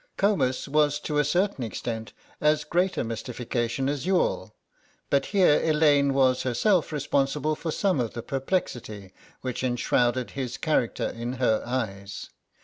Comus was to a certain extent as great a mystification as Youghal, but here Elaine was herself responsible for some of the perplexity which enshrouded his character in her eyes.